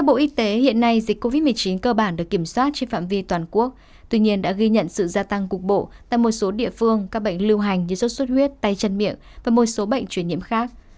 bộ y tế hiện nay dịch covid một mươi chín cơ bản được kiểm soát trên phạm vi toàn quốc tuy nhiên đã ghi nhận sự gia tăng cục bộ tại một số địa phương các bệnh lưu hành như sốt xuất huyết tay chân miệng và một số bệnh truyền nhiễm khác